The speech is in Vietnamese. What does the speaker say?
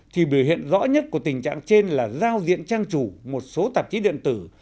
thì biểu hiện rõ nhất của tình trạng trên là giao diện trang chủ một số tạp chí điện tử